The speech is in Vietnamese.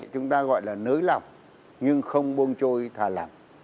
chúng ta gọi là nới lỏng nhưng không buông trôi thả lỏng